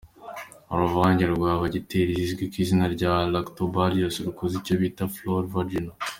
Uru ruvange rwa bagiteri zizwi ku izina rya “lactobacillus” rukoze icyo bita “flore vaginal”.